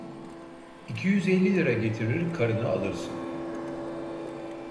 İki yüz elli lira getirir, karını alırsın!